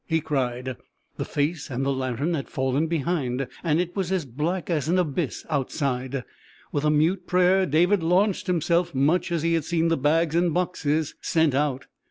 he cried. The face and the lantern had fallen behind, and it was as black as an abyss outside. With a mute prayer David launched himself much as he had seen the bags and boxes sent out.